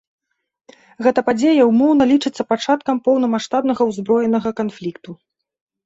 Гэта падзея ўмоўна лічыцца пачаткам поўнамаштабнага ўзброенага канфлікту.